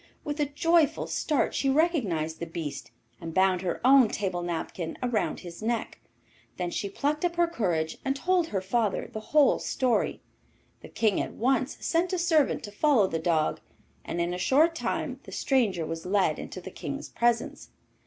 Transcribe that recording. With a joyful start she recognised the beast, and bound her own table napkin round his neck. Then she plucked up her courage and told her father the whole story. The King at once sent a servant to follow the dog, and in a short time the stranger was led into the Kings presence.